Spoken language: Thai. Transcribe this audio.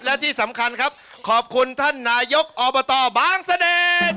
และที่สำคัญครับขอบคุณท่านนายกอบตบางเสด็จ